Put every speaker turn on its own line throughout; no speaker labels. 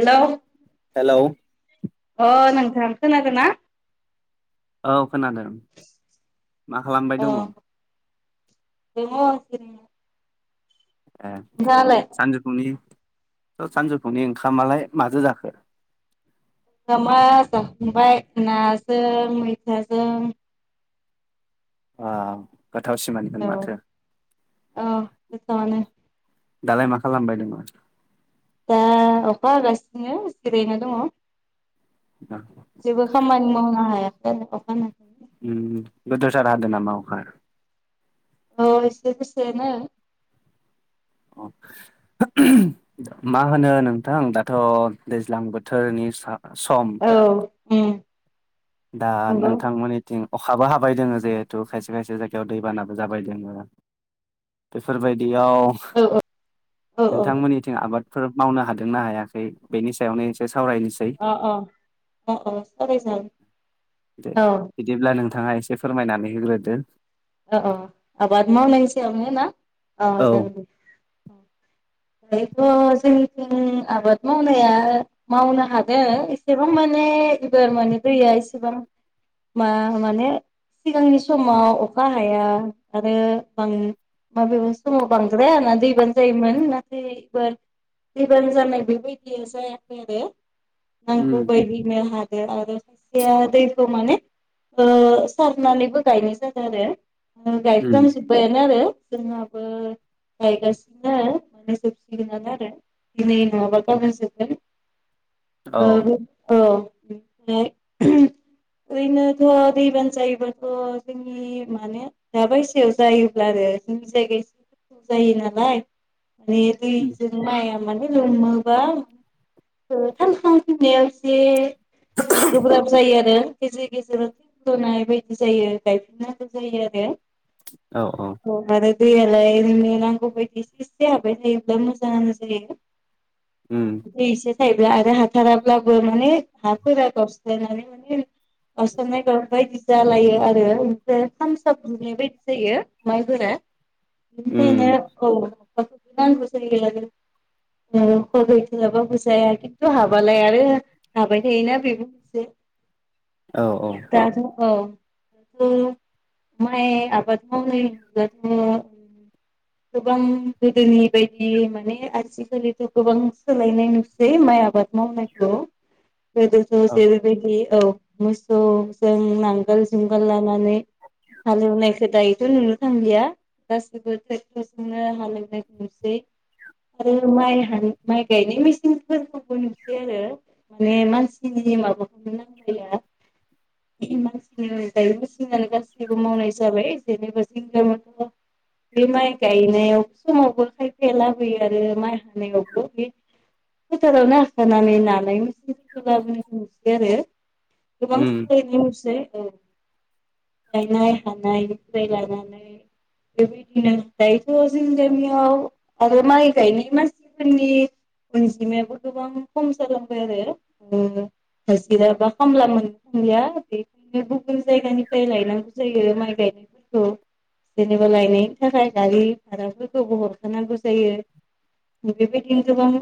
Hello
hello
अ नोंथां खोनादो ना?
औ खोनादों मा खालामबाय दङ?
दङ'जिरायनानै ।
ए, सानजौफुनि सानजौफुनि ओंखामालाय माजो जाखो?
ओंखामा जाखांबाय नाजों मैथाजों
अ गोथाव सि मानि माथो ।
औ गोथावानो
दालाय मा खालामबाय दङ?
दा अखा हागासिनो जिरायना दङ ।
[unintelligible]
जेबो खामानि मावनो हायाखै आरो अखा हानानै ।
उम गोदोर सार हादों नामा अखा?
औ एसे गोसाया नो ।
अ मा होनो नोंथां दाथ' दैज्लां बोथोरनि सा-सम
औ उम
दा
नंगौ
नोंथांमोननिथिं अखाबो हाबाय दोङो जिहेथु खायसे खायसे जायगायाव दैबानाबो जाबाय दोङो । बेफोरबायदियाव
औ औ औ
नोंथांमोननिथिं आबाद फोर मावनो हादोंना हायाखै बेनि सायावनो एसे सावरायनोसै ।
अ अ अ अ सावरायजागोन ।
दे बिदिब्ला नोंथाङा एसे फोरमायनानै होग्रोदो ।
औ आबाद मावनायनि सायावनो ना अ
औ
जागोन दे औ । दायोथ' जोंनिथिं आबाद मावनाया मावनो हादों एसेबां माने एबार माने दैया एसेबां मा माने सिगांनि समाव अखा हाया आरो बां माबेबा समाव बांद्राया ना दैबानो जायोमोन नाथाय एबार दैबाना जानाय बेबायदिया जायाखै आरो नांगौ
उम
बायदिनो हादो आरो खायसेया दैखौ माने ओ सारनानैबो गायनाय जादों आरो ।
उम
गायफ्राम जोब बायानो आरो जोंहाबो गायगासिनो माने जोबसिगोनानो आरो । दिनै नङाबा गाबोन जोबगोन ।
[inaudible]
औ औ ओरैनोथ' दैबाना जायोबाथ' जों नि माने दा बायसायाव जायोब्ला आरो जोंनि जायगायाव खस्थ' जायो नालाय माने दैजों माइआ माने लोमोबा थांखांफिननायाव एसे गोब्राब जायो आरो गेजेर गेजेराव थ लुनाय बायदि जायो । गायफिननांगौ जायो आरो ।
औ औ
औ आरो दैयालाय [unintelligible] नांगौ बायदि एसे एसे हाबाय थायोब्ला मोजाङानो जायो।
उम
दै एसे थायोब्ला आरो हाथाराब्लाबो माने हाफोरा गावस्रानानै माने [unintelligible] बायदि जालायो आरो [unintelligible] बायदि जायो माइफोरा
उम
बिनिखायनो औ [unintelligible] नांगौ जायो आरो गायथ'आबाबो जाया खिन्थु हाबालाय आरो हाबाय थायोना बेबो एसे
औ औ
दा जों औ माय आबाद मावनाय [unintelligible]
[inaudible]
गोबां गोदोनि बायदि माने आथिखालिथ' गोबां सोलायनाय नुसि जै माय आबाद मावनायखौ
[inaudible]
गोदोथ'
औ
जेरैबायदि औ मोसौजों नांगोल जुंगाल लानानै हालेवनायखौ दायोथ' नुनो थांलिया। गासैबो ट्रेक्टरजोंनो हालेवनायखौ नुसै। आरो माइ हान माइ गायनाय मेचिनफोरखौबो नुसै आरो माने मानसिनि माबाखौनो नांलाया मानसिनि दायो मेसिनानो गासैखौबो मावनाय जाबाय जेनेबा [unintelligible] बे माइ गायनायाव समावबो खायफाया लाबोयो आरो माइ हानायावबो बे गोथारावनो हाखानानै नानाय [unintelligible] आरो
उम
[unintelligible] गायनाय हानायनिफ्राय लानानै बेबायदिनो दायोथ' जों गामियाव आरो माय गायनाय मानसिफोरनि अनजिमायाबो गोबां खम जालांबाय आरो ओ जिराबा खामला मोनो [unintelligible] बेखायनो गुबुन जायगानिफ्राय लायनांगौ जायो माइ‌ गायनायफोरखौ जेनेबा लायनायनि थाखाय गारि भाराफोरखौबो हरखानांगौ जायो बेबादिनो गोबां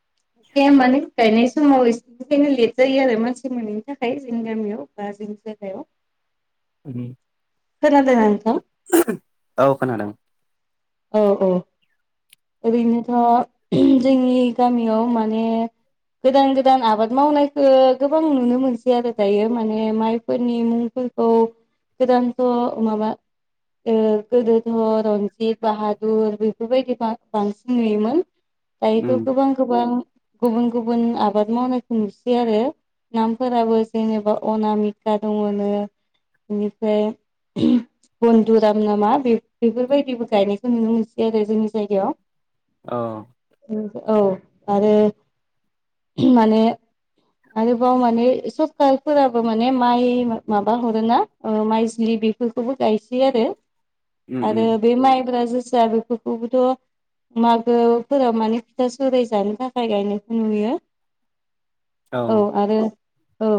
[inaudible]
[unintelligible] माने गायनाय समाव एसेखायनो लेट जायो आरो मानसि मोनैनि थाखाय जोंनि गामियाव बा [unintelligible] हेव
उम
खोनादोंना नोंथां
औ खोनादों
औ औ ओरैनोथ' जोंनि गामियाव माने गोदान गोदान आबाद मावनायखो गोबां नुनो मोनसै आरो दायो माने माइफोरनि मुंफोर
[inaudible]
गोदानथ' माबा ओ गोदोथ' रन थ बाहादुर बेफोरबायदि बांसिन नुयोमोन
उम
दायोथ' गोबां गोबां गुबुन गुबुन आबाद मावनायखौ नुसै आरो नामफोराबो जेनेबा अनामिका दङनो बेनिफ्राय बन्धुराम नामा बे बेफोरबायदिबो गायनायखौ नुनो मोनसै आरो जोंनि जायगायाव।
औ
औ आरो माने आरोबाव माने सबकारफोराबो माने माइ माबा हरो ना ओ माइज्लि बेफोरखौबो गायसै आरो
उम उम
आरो बे माइ क्राजोसा बेफोरखौबोथ' मागो फोराव माने फिथा सुराय जानो थाखाय गायनायखौ नुयो।
[inaudible]
औ आरो औ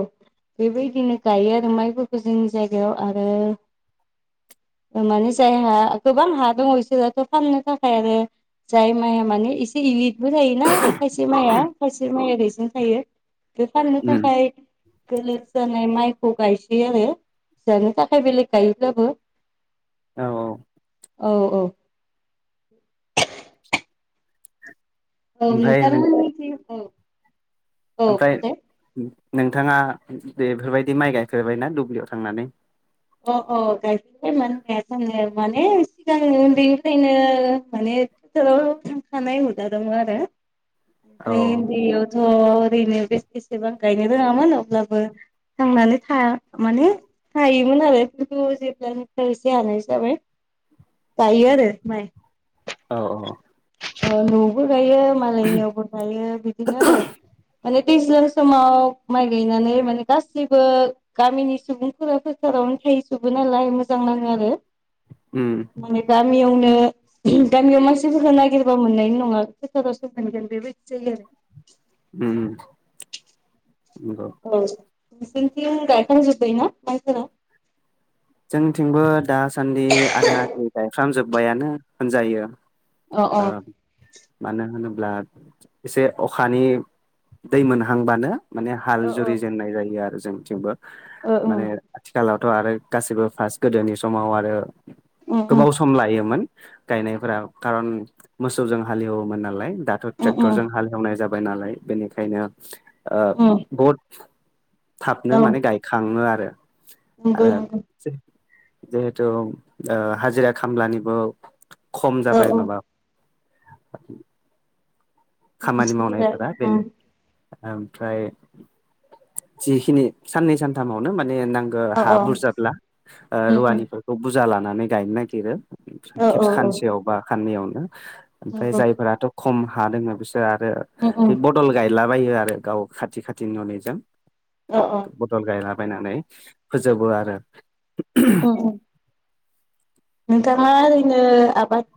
बेबायदिनो गायो आरो माइफोरखौ जोंनि जायगायाव आरो। माने जायहा गोबां हा दङ बिसोरथ' फाननो थाखाय आरो जाय माइया माने एसे इयथबो थायो ना खायसे माइआ खायसे माइ ओरैजोंनो थायो। [unintelligible]
उम
थाखाय गोलोर जानाय माइखौ गायसै आरो जानो थाखाय बेलेग गायोब्लाबो
औ औ।
औ औ। [inaudible] औ
ओमफ्राय नों
नोंथांमोन औ औ
ओमफ्राय
बुंलाय
नोंथाङा बेफोरबायदि माइ गायखोबायनाा दुब्लियाव थांनानै
अ अ गायफेरबाय मानो होनायास आनो माने सिगां उन्दैनिफ्रायनो माने ोाव थांखानाय हुजादोंमोन
औ
आरोन्द ज' ओरैनो बेसेसेबां गायनो रोङामोन अब्लाबो थांनानै थ माने थायो [inaudible] आरो खिन्थु जेब्लनिफ्राय एसे हानाय हिसाबै गायो आरो माइ [inaudible]
औ औ।
[inaudible] बो गायो मालायनियावबो गायो बिदिनो आरो माने दैज्ला समाव माइ गायनानै माने गासैबो गामिनि सुबुंफोरा सटारावनो थाहैजोबो नालाय मोजां नाङो आरो।
उम।
माने गामियावनो गामियाव मानसिफोरखौ नागिरबा मोननायनि नङा खथारावसो मोनगोन बेबायदि जायो आरो।
उम।
औ नोंसोरनिथिं गायखांजोब्बाय ना माइफोरा
जोंथिंबो दासान्दि आधाख गायफ्राम जोब्बायानो होनजायो।
अ अ
[inaudible] मानो होनोब्ला एसे अखानि दै मोनहांबानो माने हाल
ओ
जुरिजेननाय जायो आरो जोंथिंबो
ओ
माने आथिखालावथ' आरो गासिबो फार्स गोदोनि समाव आरो
ओ
गोबाव सम सम लायोमोन गायनायफोरा खारन मोसौजों हालेवोमोन नालाय दा
ओ
ट्रेक्टरजों हालेवनाय जाबाय नालाय बेनिखायनो बहुद थाबनो
औ
माने गायखाङो आरो।
नंगौ
आरो
नंगौ
जिहेथु हाजिरा खामलानिबो खम
औ
जाबाय
औ
माबा खामानि
मानसिफोरा
मावनायफोरा बेनो।
उम
ओमफ्राय जिखिनि साननै सानथामावनो माने नां
अ
हा
उम
बुरजाब्ला
उम
रुवानिफोरखौ बुरजा लानानै गायनो नागिरो। ओमफ्राय
औ औ
खेबसे
औ
सानसेयाव बा साननैयावनो ओमफ्राय
नंगौ
जायफोराथ' खम हा दङ बिसोर आरो
उम उम
बे बदल गायलाबायो आरो गाव खाथि खाथि न'निजों
अ अ।
बदल गायलाबायायनानै फोजोबो आरो ।
अ अ। नोंथाङा ओरैनो आबाद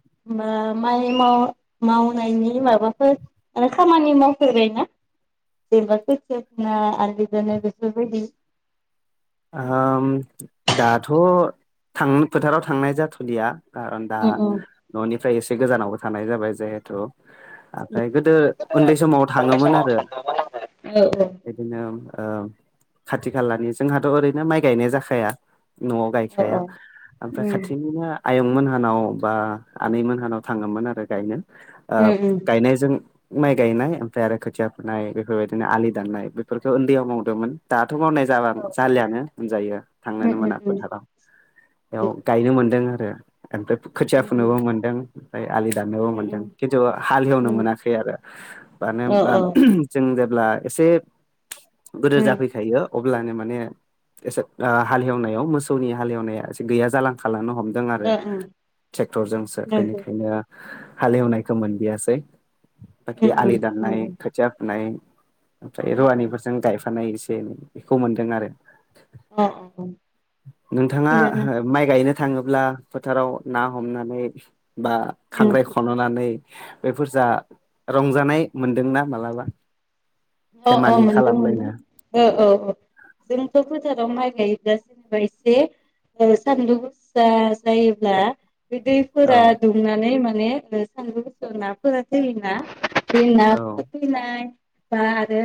माइ मावनायनि माबाफोर खामानि मावफैबाय ना ज ब आलि जानाय गोसबायदि
दाथ' थांनो फोथाराव थांनाय जाथ'दिया खारन दा न'निफ्राय एसे गोजानावबो थानाय जाबाय जिहेथु ओमफ्राय गोदो उन्दै समाव थाङोमोन
समाव
आरो
सानदोंमोन आङो औ
बिओरैनो खाथि खालानि जोंहाथ' ओरैनो माइ गायनाय जाखाया न'आव
औ
गायखाया
औ
ओमफ्राय
उम
खाथिनिनो आयं मोनहानाव बा आनैमोनहानाव थाङोमोन आरो गायनो
उम
गायनायजों माइ गायनाय ओमफ्राय आरो खोथिया फुनाय बेफोरबायदिनो आलि दान्नाय बेफोरखौ उन्दैयाव मावदोंमोन दाथ' मावनाय जाबा जालियानो होनजायो
उम
थांनोनो मोना
उम
फोथाराव बेयाव गायनो मोनदों आरो ओमफ्राय खोथिया
उम
फुनोबो मोनदों ओमफ्राय आलि दाननोबो
उम
मोनदों खिन्थु हालेवनो मोनाखै आरो मानो
औ
होनबा
औ उम ओ ओं
जों जेब्ला एसे गोदोर जाफैखायो अब्लानो माने एसे हालेवनायाव मोसौनि हालेवनाया एसे गैया जालांखालांनो हमदों आरो ट्रेक्टरजोंसो
नंगौ
बेनिखायनो हालेवनायखौ मोनयासै बाखि
उम
आलि
उम नंगौ
दानाय खुथिया फुनाय ओमफ्राय
उम उम
रुवानिफोरजों गायफानाय एसे एनै बेखौ मोन्दों आरो
अ अ
नोंथाङा माइ गायनो थाङोब्ला फोथाराव ना हमनानै बा
उम
खांख्राय सननानै बेफोर जा रंजानाय मोनदोंना मालाबा
अ अ
धेमालि
मोनदों मोनदों
खालामलायनो
औ औ औ जोंथ' फोथाराव माइ गायोब्ला जेनेबा एसे सानदुं [unintelligible] जायोब्ला बे
औ
दैफोरा दुंनानै माने सानदुं बुसोर नाफोरा जैयोना
औ
[unintelligible] बा आरो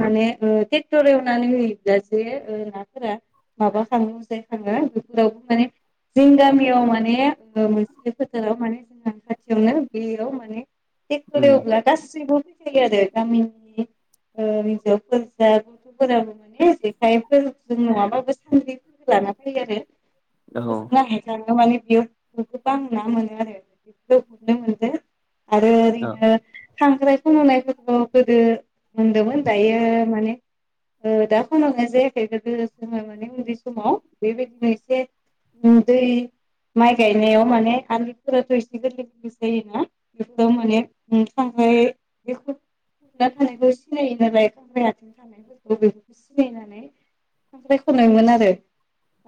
माने ट्रेक्टर एवनानै होयोब्लासो नाफोरा माबा खाङो जायखाङो बेफोरावबो माने जों गामियाव माने मोनसेलि फोथाराव माने जोंना खाथियावनो बेयाव माने ए
उम
दब्ला गासैबो ग गामि हिाबफोरसा गथ'फोराबो मोने जेखायफोर जों नङाबाबो सान्रिफोरबो लाना फै आरो
औ
[unintelligible] गोबां ना मोनो आरो बेखौ हमनो मोनदो आरो
औ
ओरैनो खांख्राय खन'नायफोरखौ गोदो मोनदोंमोन दायो माने दा खनावा जायाखै गोदो जोङो मोनै उन्दै समाव बेबायदिनो एसे दै माइ गायनायाव माने आदैफोराथ' एसे गोरलै गोरलै जायोना बेफोर माने ओमफ्राय बे हुरना थानायखौ सिनायो नालाय खांख्रि आथिं थानायफोरखौ बेफोरखौ सिनायनानै खांख्राय खनायमोन आरो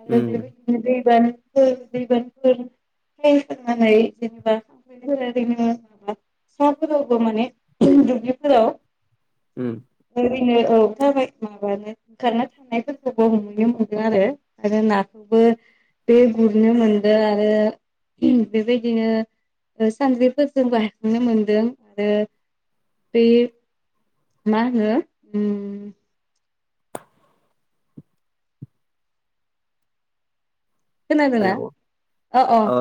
आरो
उम
बेबायदि दैबानफोर दैबानफोरनानै जेनेबा ओरैनो माबा सिाफोरावबो माने दुब्लिफोराव
उ
ओरैनो औ थाबाय माबानो ओंखारना थानायांनायफोरखौबो नुनो मोनगोन आरो आरो नाखौबो बे गुरनो मोनदों आरो बेबायदिनो सानज्रिफोरजों बारांनो मोनदों आरो बे मा होनो खोनादोंना
हेलौ औ
[unintelligible]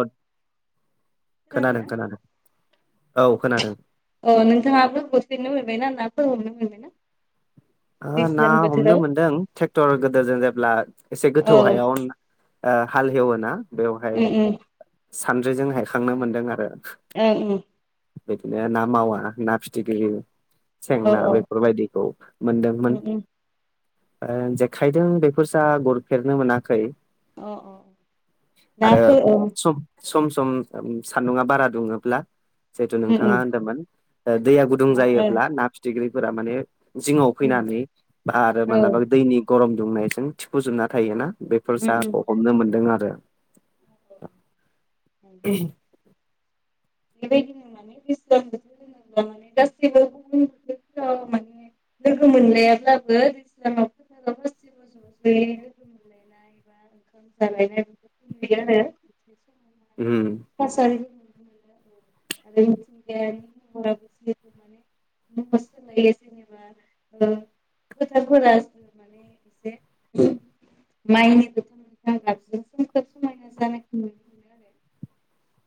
खोनादों
खोनादोंना
खोनादों औ खोनादों
अ नोंथाङाबो हरफिननो मोनबायना नााबो हमनो मोनबायना
ना
दैज्लां
हमनो
बोथोराव
मोनदों ट्रेक्टर गोदेरजों जेब्ला एसे गोथौ
औ
हायाव हाल हेवो ना बेवहाय
उम उम
सानद्रिजों हायखांनो मोनदों आरो
ओं ओं।
बिदिनो ना मावा ना फिथिख्रि
औ
सेंना
औ
बेफोरबायदिखौ दोंमोन
उम उम
ओ जेखायजों बेफोरजा गुरफेरनो मोनाखै।
अ अ
आरो
नाफोर औ
सम सम सम सान्दुंङा बारा दुङोब्ला जिहेतु
उम उम
नोंथाङा होनदोंमोन ओ दैया गुदुं
ना औ
जायोब्ला ना फिथिख्रिफोरा माने जिङाव
उम
फैनानै आरो
औ
मालाबा दैनि गरम दुंनायजों थिफुजोबना थायोना बे
उम उम
फोरसाहाखौ हमनो मोनदों आरो।
[inaudible] [inaudible] बोथोरफोराव [inaudible] [inaudible] जालायनानै बिदि आरो मोनसे समायना
उम।
[unintelligible] [inaudible] [unintelligible] न'आव सोलायो जेनेबा ओ खोथाफोरा माने एसे [unintelligible] आरो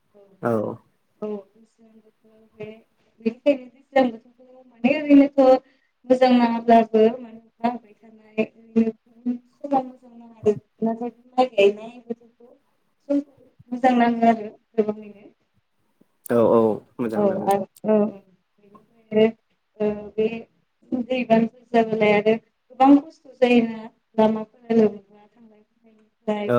औ।
औ।
[unintelligible] माने ओरैनोथ' मोजां नाङाब्लाबो माने होनबा [unintelligible] मोजां नाङो आरो गोबांनि
औ औ। मोजां
औ
मोनो
औ ओ बे [unintelligible]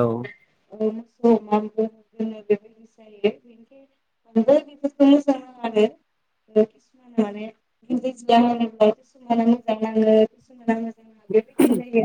औ
[unintelligible] मोजां नाङो आरो। [unintelligible] [unintelligible] जायो
[unintelligible]